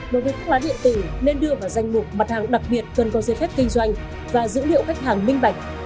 đối với thuốc lá điện tử nên đưa vào danh mục mặt hàng đặc biệt cần có dây phép kinh doanh và dữ liệu khách hàng minh bạch